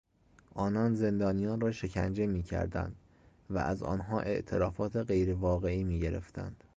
آنان زندانیان را شکنجه میکردند و از آنها اعترافات غیرواقعی میگرفتند.